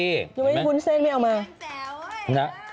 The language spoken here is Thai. ยังไงวุ้นเซ่นไม่เอามา